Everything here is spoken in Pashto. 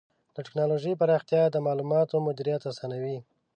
د ټکنالوجۍ پراختیا د معلوماتو مدیریت آسانوي.